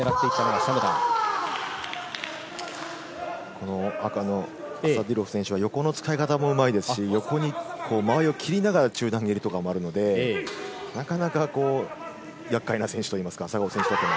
この赤のアサディロフ選手は横の使い方もうまいですし、横に間合いを切りながら中段蹴りとかもあるので、なかなか厄介な選手というか、選手にとっても。